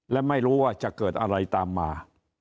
และไม่รู้ว่าจะเกิดอะไรตามมา